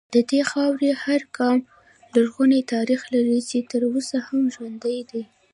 د دې خاورې هر ګام لرغونی تاریخ لري چې تر اوسه هم ژوندی دی